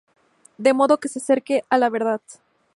De modo que se acerque a la verdad.